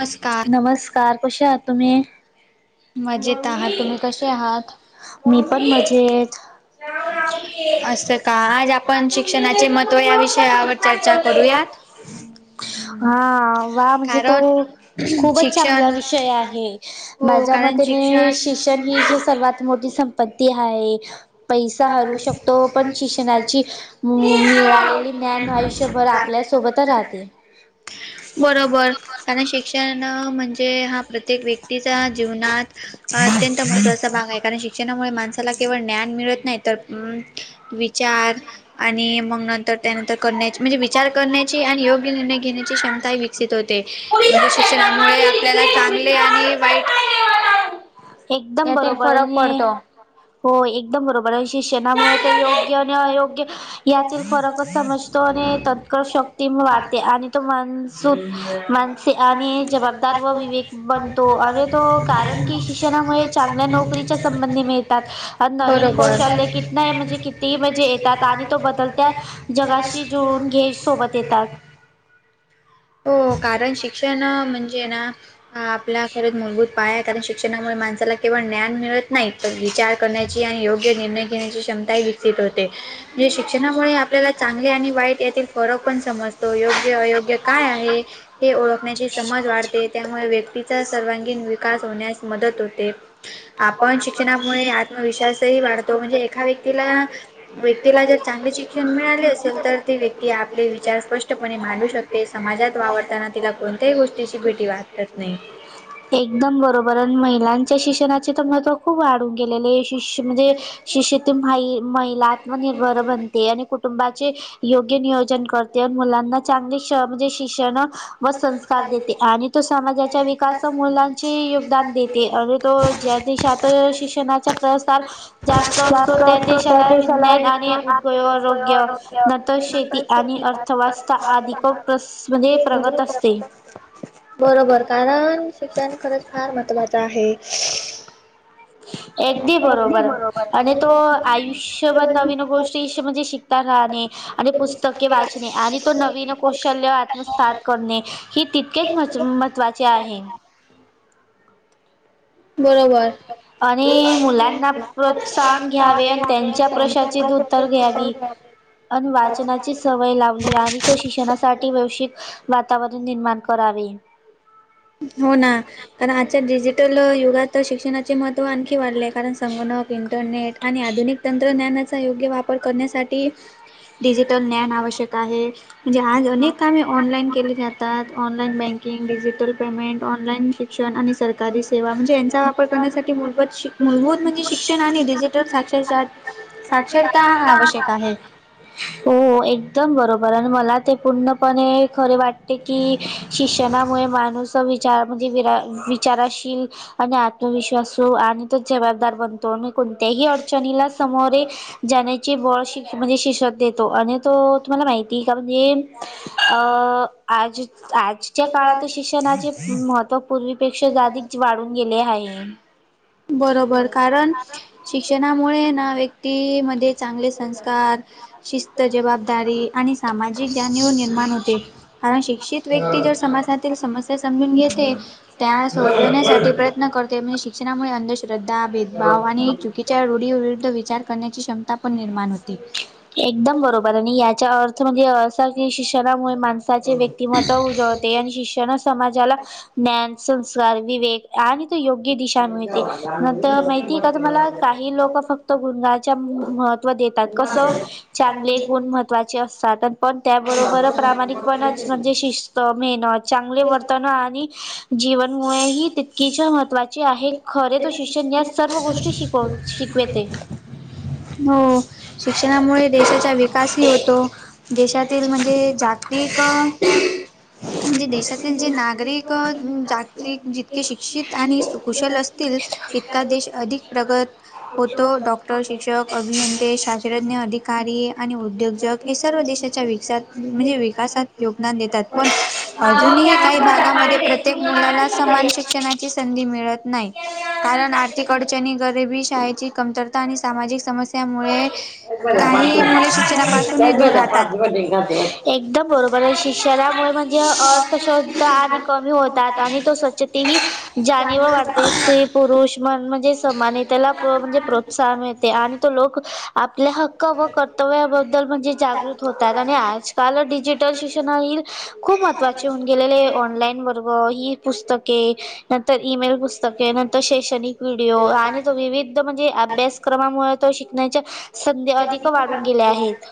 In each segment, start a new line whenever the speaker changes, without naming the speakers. नमस्कार
नमस्कार, कसे आहात तुम्ही?
मजेत आहात तुम्ही कसे आहात?
मी पण मजेत. रा
असं का आज आपण शिक्षणाचे महत्त्व या
[unintelligible]
ह [unintelligible]
हा, वा! म्हणजे तो खूपच चांगला
शिक्षण
विषय आहे
हो
माझ्या मत
कारण
हे शिक्षण ही सर्वात मोठी संपत्ती आहे. पैसा हरवू शकतो, पण शिक्षणाची मिळालेली ज्ञान आयुष्यभर आपल्यास सोबतचं राहते.
बरोबर, कारण शिक्षण म्हणजे हा प्रत्येक व्यक्तीचा जीवनात अत्यंत महत्त्वाचा भाग आहे, कारण शिक्षणामुळे माणसाला केवळ ज्ञान मिळत नाही, तर विचार आणि मग नंतर त्यानंतर करण्याची, म्हणजे विचार करण्याची आणि योग्य निर्णय घेण्याची क्षमता. विकसित होते. इ शिक्षणामुळे आपल्याला चांगले आणि वाईट
एकदम
यातील
बरोबर
फरक
आहे
पडतो
हो, एकदम बरोबर आहे. शिक्षणामुळे तर योग्य आणि अयोग्य यातील फरकच समजतो आणि तत्क शक्ती मग वाढते. आणि माणसे आणि जबाबदार व विवेक बनतो आणि तो कारण की शिक्षणामुळे चांगल्या नोकरीच्या संबंधी मिळतात, नवीन कौशल्य कितन आहे. म्हणजे क म्हणजे येतात आणि तो बदलत्या जगाशी जुळून घे सोबत येतात.
[unintelligible] हो, कारण शिक्षण म्हणजे ना, आपल्या खरंच मूलभूत पाय आहे. कारण शिक्षणामुळे माणसाला केवळ ज्ञान मिळत नाही, तर विचार करण्याची आणि योग्य निर्णय घेण्याची क्षमता विकसित होते, म्हणजे शिक्षणामुळे आपल्याला चांगले आणि वाईट यातील फरक पण समज योग्य-अयोग्य काय आहे, हे ओळखण्याची समज वाढते. त्यामुळे व्यक्ती सर्वांगीण विकास होण्यास मदत होते. आपण शिक्षणामुळे विश्वासही वाढतो, म्हणजे एका व्यक्तीला
[unintelligible] [unintelligible]
व्यक्तीला जर चांगले शिक्षण मिळाले असेल तर ती व्यक्ती आपले विचार स्पष्टपणे मांडू शकते समाजात वावरताना तिला कोणत्याही गोष्टीची भीती वाटत नाही
एकदम बरोबर, आणि महिलांच्या शिक्षणाचे तर महत्व खूप वाढून गेलेले. शष्य म्हणजे शिक्षणातून महिला आत्मनिर्भर बनतात. आणि कुटुंबाचे योग्य नियोजन करते आणि मुलांना चांगले, म्हणजे शिक्षण व संस्कार देते आणि तो समाजाच्या विकासा मुलांचे योगदान देते. आणि तो ज्या देशात शिक्षणाचा प्रसार जास्त असतो, त्या विज्ञान आणि उद्योग, आरोग्य नतंर शेती आणि अर्थव्यवस्था आदी म्हणजे प्रगत असते.
बरोबर, कारण शिक्षण खरंच फार महत्त्वाच आहे.
अगदी बरोबर. आणि तो आयुष्यभर नवीन गोष्टी म्हणजे शिकता राहाणे आणि पुस्त क वाचणे आणि तो नवीन कौशल्य आत्मसात करणे ही तितकेच महत्वाचे. त्या आहेन.
बरोबर.
आणि मुलांना प्रोत्साहन घ्यावे आणि त्यांच्या प्रशाचे दूध उतर घ्यावी आणि वाचनाची सवय लावली आणि प्रशिक्षणासाठी वैश्विक वातावरण निर्माण करावे.
हो ना, कारण आजच्या डिजिटल युगात तर शिक्षणाचे महत्त्व आणखी वाढले आहे, कारण संगणक इंटरनेट आणि आधुनिक तंत्रज्ञानाचा योग्य वापर वापर करण्यासाठी डिजिटल ज्ञान आवश्यक आहे. म्हणजे आज अनेक कामे ऑनलाईन केले जातात online banking, digital payment, online शिक्षण आणि सरकारी सेवा म्हणजे यांचा वापर करण्यासाठी मूलभूत-मूलभूत, म्हणजे शिक्षण आणि डिजिटल साक्षरच्या चार्ट साक्षरता हा आवश्यक आहे.
हो एकदम बरोबर आणि मला ते पूर्णपणे खरे वाट की शिक्षणामुळे माणूस विचार म्हणजे विरा विचाराशील आणि आत्मविश्वासु आणि तो जबदार बनतो आणि कोणत्याही अडचणीला समोरे जाण्याची बळ श म्हणजे शिषत देतो आणि तो तुम्हाला माहिती का म्हणजे अ आज, आज च्या काळातील शिक्षणाचे महत्त्व पूर्वीपेक्षा जाधीच वाढून गेले आहे.
बरोबर कारण शिक्षणामुळे ना व्यक्ती मध्ये चांगले संस्कार शिस्त जबाबदारी आणि सामाजिक जाणीव निर्माण होते कारण शिक्षित व्यक्ती जर समाातील समस्या समजून घेते त्या सोडोण्यात प्रयत्न करते म्हणजे शिक्षणामुळे अंधश्रद्धा भेदभाव आणि चुकीच्या रूढीविरुद्ध विचारण्याची क्षम ता पण निर्माण होते.
एकदम बरोबर आणि याचा अर्थ म्हणजे असा कि शिक्षणामुळे माणस चे व्यक्तिमत्व उजवते आणि शिक्षण समाजाला ज्ञान संस्कार विवेक आणि ते योग्य दिशा मिळते नंतर माहिती आहे का तुम्हाला काही लोक फ त गुणगाच्या महत्त्व देतात कसं चांगले गुण महत्वाचे असतात. पण त्याबरोबर प्रामाणिकपणच म्हणजे शिस्त, मेहनत, चांगले वर्तन आणि जीवनमुळे ही तितकीशा महत्वा
[unintelligible]
गोष्टी शिकव शिकवेते.
हो शिक्षणामुळे देशाचा विकास ही होतो. देशातील म्हणजे जागतिक म्हणजे देशातील जे नागरिक जागतिक जितके शिक्षित आणि सु कुशल असतील तितका देश अधिक प्रगत होतो डॉक्टर, शिक्षक अभियंते, शास्त्रज्ञ, अधिकारी आणि उद्योजक हे सर्व देशाच्या विकासत म्हणजे विकासात योगदान देतात पण अजूनही काही भागामध्ये प्रत्येक मुलाला समान शिक्षणाची संधी मिळत नाही कारण आर्थिक अडचणी गरिबी शाळेची कमतरता आणि सामाजिक समस्या त्यामुळे काही मुले शिक्षणापासूनही दूर राहतात
एकदम बरोबर आहे शिक्षणामुळे म्हणजे अर्थशवध आणि कमी होतात आणि तो स्वच्छ ते ही जाणीव वाढ ते स्त्री पुरुष मन म्हणजे समान त्याला म्हणजे प्रोत्साहन मिळते आणि तो लोक आपल्या हक्क व कर्तव्याबद्दल म्हणजे जागृत होतात आणि आजकाल डिजिटल शिक्षण नहील खूप महत्वाचे होऊन गेलेले आहे ऑनलाईन वर्ग ही पुस्तके नंतर ईमेल पुस स्तके नंतर शैक्षणिक व्हिडिओ आणि तो विविध म्हणजे अभ्यासक्रमामुळे तो शिकण्याच्या संधी अधिक वाढून गेल्या आहेत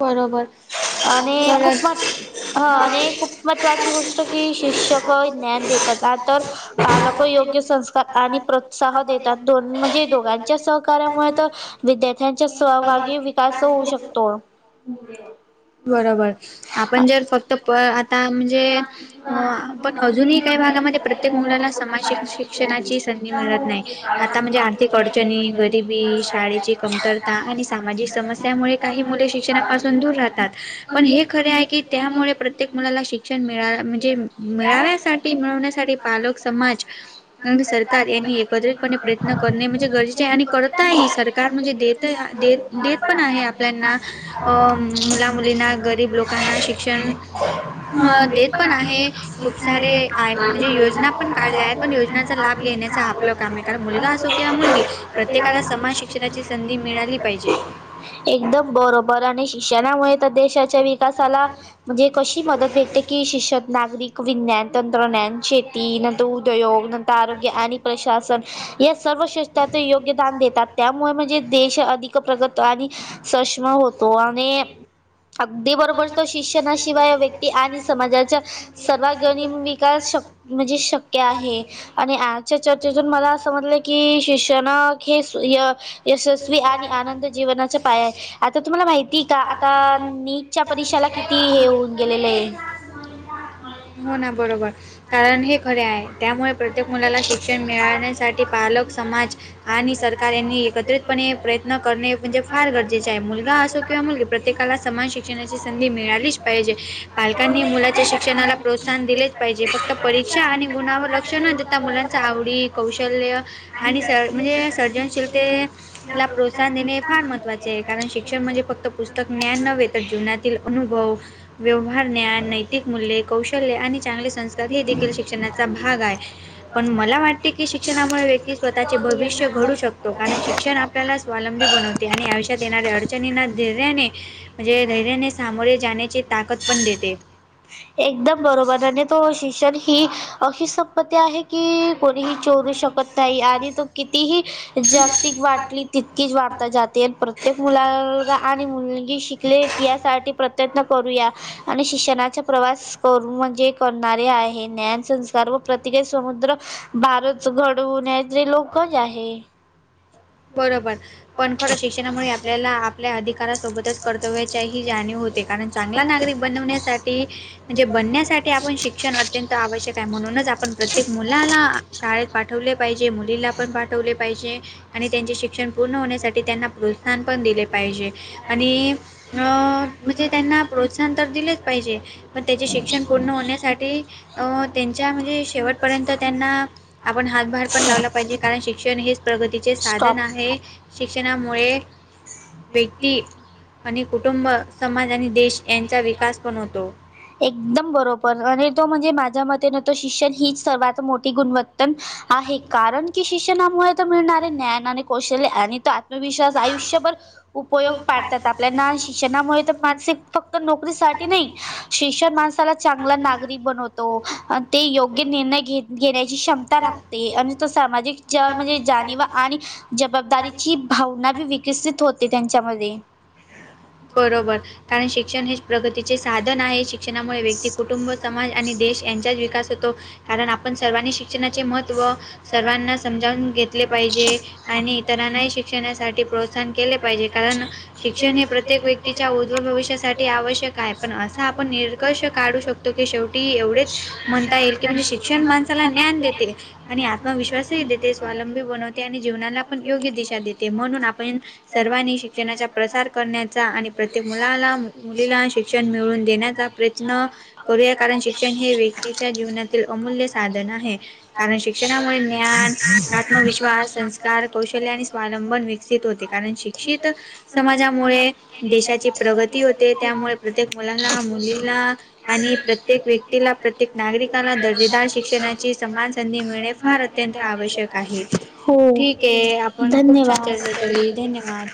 बरोबर
आणि खूप मात
खरंच
ह आणि खूप महत्त्वाची गोष्ट की शिक्षक ज्ञान देतात आ तर पालक योग्य संस्कार आणि प्रोत्साह देतात दोन म्हणजे दोघांच्या सहकार्यामुळे तर विद्यार्थ्यांचा सहभागी विकास होऊ शकतो
बरोबर आपण जर फक्त प आता म्हणजे अ पण अजूनही काही भागामध्ये प्रत्येक मुलाला स समान शिक्षणाची संधी मिळत नाही आता म्हणजे आर्थिक अडचणी गरिबी शाळेची कमतरता आणि सामाजिक समस्यामुळे काही मुले शिक्षणापासून दूर राहतात पण हे खरे आहे की त्यामुळे प्रत्येक मुलाला शिक्षण मिळा म्हणजे मिळाव्यासाठी होण्यासाठी पालक समाज आणि सरकार यांनी एकत्रितपणे प्रयत्न करणे म्हणजे गरजेचे आहे आणि करता आहे सर म्हणजे द देत पण आहे आपल्याना अ मुला मुलींना गरीब लोकांना शि क्षण देत पण आहे खूप सारे आय म्हणजे योजना पण काढलीय पण योजनेचा लाभ घेण्याच आपल काम आहे कारण मुलगा असो किंवा मुलगी प्रत्येकाला समान शिक शिक्षणाची संधी मिळाली पाहिजे
एकदम बरोबर आणि शिक्षणामुळे तर देशाच्या विकासाला म्हणजे कशी मदत भेटते की शिक्षण, नागरिक, विज्ञान, तंत्रज्ञान, शेती न उद्योग नंतर आरोग्य आणि प्रशासन या सर्व शष्रात योग्यदान देतात त्यामुळे म्हणजे देश अधिक प्रगत आणि सष्मा होतो आणि अगदी बरोबर तो शिक्षणाशिवाय व्यक्ती आणि समाजाच्या सर्वात घेऊन मिका शक म्हणजे शक आहे आणि आजच्या चर्चेतून मला असं म्हटलं की शिक्षण हे यशस्वी आणि आनंद जीवनाचा पाया आहे आता तुम्हाला माहिती का आता नीटच्या परीक्षेला किती हे होऊन गेलेलं आहे
हो ना बरोबर कारण हे खरे आहे त्यामुळे प्रत्येक मुलाला शिक्षण मिळाण्यासाठी पालक समाज आणि सरकार यांनी एकत्रित पण हे प्रयत्न करणे म्हणजे फार गरजेचे आहे मुलगा असो किंवा मुलगी प्रत्येकाला समान शिक्षणाची संधी मिळालीच पाहिजे पालकांनी मुलाच्या शिक्षणाला प्रोत्साहन दिलेच पाहिजे फक्त परी शिक्षा आणि गुणावर लक्ष न देता मुलांचा आवडी, कौशल्य आणि स म्हणजे सर्जनशिल
हम
आपल्याला प्रोत्साहन देणे हे फार महत्वाचे आहे. कारण शिक्षण म्हणजे फक्त पुस्तक ज्ञान नव्हे, तर जीवनातील अनुभव व्यवहार ज्ञान नैतिक मूल्य कौशल्य आणि चांगले संस्कार हे देखील शिक्षणाचा भाग आहे पण मला वाटते की शिक्षणामुळे व्यक्ती स्वतःच्या तःचे भविष्य घडू शकते. कारण शिक्षण आपल्याला स्वावलंबी बनवते आणि आयुष्यात येणाऱ्या अडचणीना धैर्याने म्हणजे धैर्याने सामोरे जाण्याची ताकद पण देते.
एकदम बरोबर आणि तो शिक्षण ही अशी संपत्ती आहे.
ह
की कोणीही चोरू शकत नाही आणि कितीही जागतिक वाटली तितकीच वाढता जाते. ते मुला आणि मुलगी शिकले यासाठी प्रयत्न करूया. आणि शिक्षणाचा प्रवास कर म्हणजे करणारे आहे. ज्ञान संस्कार व प्रतिक समुद्र भारच घडवण्याचे लोकच आहे.
बरोबर पण खरं शिक्षणामुळे आपल्याला आपल्या अधिकारासोबतच कर्तव्याचीही जाणीव होते. कारण चांगला नागरिक बनवण्यासाठी म्हणजे बनण्यासाठी आपण शिक्षण अत्यंत आवश्यक आहे म्हणूनच आपण प्रत्येक मुलाला शाळेत पाठवले पाहिजे मुलीला पण पाठवले पाहिजे. आणि त्यांचे शिक्षण पूर्ण होण्यासाठी त्यांना प्रोत्साहन पण दिले पाहिजे आणि म्हणजे त्यांना प्रोत्साहन तर दिलेच पाहिजे मग त्याचे शिक्षण पूर्ण होण्यासाठी त्यांच्या म्हणजे शेवटपर्यंत त्यांना आपण हातभार पण लावला पाहिजे कारण शिक्षण हे प्रगतीचे साधन आहे शिक्षणामुळे व्यक्ती आणि कुटुंब समाज आणि देश यांचा विकास बनवतो.
एकदम बरोबर आणि तो म्हणजे माझ्या मतेन तो शिक्षण हीच सर्वात मोठी गुणवत्तान आहे कारण की शिक्षणामुळे तर मिळणारे ज्ञान आणि कौशल्य गणितात विश्वास आयुष्यभर उपयोग पाडतात आपल्याला. शिक्षणामुळे तर माणसीक फक्त नोकरीसाठी नाही शिक्षण माणसाला ना चांगलं नागरिक घरी बनतो ते योग्य निर्णय घेत. घेण्याची क्षमता राखते आणि तो सामाजिक जाणीव आणि जबाबदारीची भावना बी विकसित होते त्यांच्यामध्ये
बरोबर कारण शिक्षण हे प्रगतीचे साधन आहे शिक्षणामुळे व्यक्ती कुटुंब समाज आणि देश यांचाच विकास होतो कारण आपण सर्वांनी शिक्षणाचे महत्व सर्वांना समजावून घेतले पाहिजे आणि इतरांनाही शिक्षणासाठी प्रोत्साहन केले पाहिजे कारण शिक्षण हे प्रत्येक प्रत्येक व्यक्तीच्या उज्जवल भविष्यासाठी आवश्यक आहे पण असा आपण निर्कर्ष काढू शकतो की शेवटी एवढेच म्हणता येईल की म्हणजे शिक्षण माणसाला ज्ञान देते आणि मग विश्वासही देते, स्वालंबी बनवते आणि जीवनाला आपण योग्य दिशा देते म्हणून आपण सर्वांनी शिक्षणाचा प्रसार करण्यात चा, आणि प्रत्येक मुलाला आणि मुलीला शिक्षण मिळवून देण्याचा प्रयत्न करूया कारण शिक्षण हे व्यक्तीच्या जीवनातील अमूल्य साधन आहे. कारण शि शिक्षणामुळे ज्ञान आत्मविश्वास संस्कार कौशल्य आणि स्वावलंबन विकसित होते. कारण शिक्ष शिक्षित समाजामुळे देशाची प्रगती होते, त्यामुळे प्रत्येक मुलाला मुलीला आणि प्रत्येक व्यक्तीला, प्रत्येक नागरिकाला दर्जेदार शिक्षणाची समान संधी मिळणे फार अत्यंत आवश्यक आहे.
हो
ठीक आहे, आपण खूप छान
धन्यवाद
चर्चा केली. धन्यवाद!